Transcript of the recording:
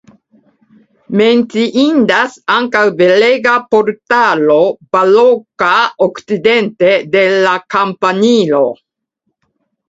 Menciindas ankaŭ belega portalo baroka okcidente de la kampanilo.